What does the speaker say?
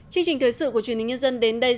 chương trình thời sự của truyền hình nhân dân đến đây